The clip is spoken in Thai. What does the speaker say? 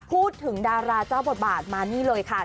พูดถึงดาราเจ้าบทบาทมานี่เลยค่ะ